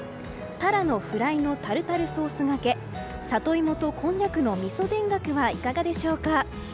タラのフライのタルタルソースがけ里芋とこんにゃくのみそ田楽はいかがでしょうか？